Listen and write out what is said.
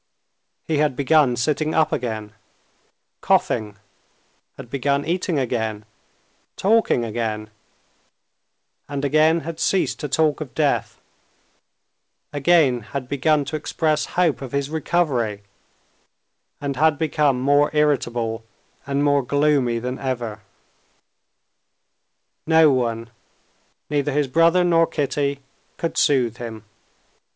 He had begun sitting up again, coughing, had begun eating again, talking again, and again had ceased to talk of death, again had begun to express hope of his recovery, and had become more irritable and more gloomy than ever. No one, neither his brother nor Kitty, could soothe him.